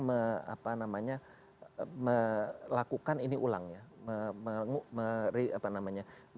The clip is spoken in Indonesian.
melakukan ini ulang ya